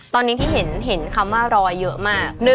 ตอนนี้ที่เห็นคำว่ารอเยอะมาก